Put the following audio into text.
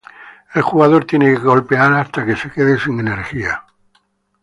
El jugador tiene que golpear hasta que se queden sin energía.